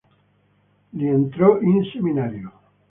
Lì entrò in seminario.